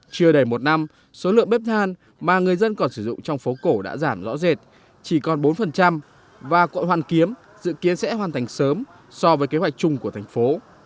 chưa đầy một năm số lượng bếp than mà người dân còn sử dụng trong phố cổ đã giảm rõ rệt chỉ còn bốn và quận hoàn kiếm dự kiến sẽ hoàn thành sớm so với kế hoạch chung của thành phố